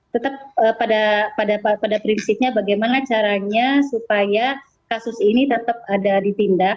tetap pada prinsipnya bagaimana caranya supaya kasus ini tetap ada ditindak